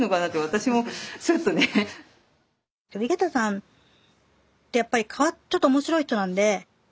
井桁さんってやっぱりちょっと面白い人なんで。